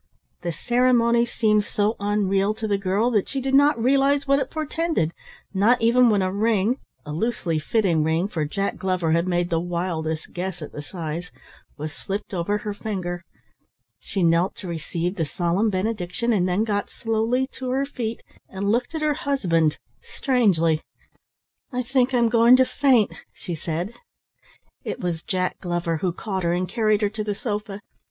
The ceremony seemed so unreal to the girl that she did not realise what it portended, not even when a ring (a loosely fitting ring, for Jack Glover had made the wildest guess at the size) was slipped over her finger. She knelt to receive the solemn benediction and then got slowly to her feet and looked at her husband strangely. "I think I'm going to faint," she said. It was Jack Glover who caught her and carried her to the sofa.